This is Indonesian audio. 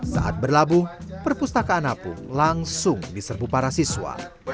saat berlabuh perpustakaan apung langsung diserbu para siswa